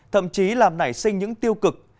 thậm chí làm nảy sinh những tiêu cực